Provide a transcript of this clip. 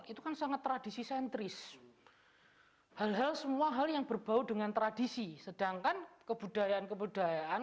itu kan sangat tradisi sentris hal hal semua hal yang berbau dengan tradisi sedangkan kebudayaan kebudayaan